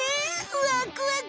ワクワク！